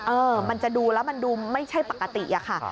เออมันจะดูแล้วมันดูไม่ใช่ปกติอะค่ะ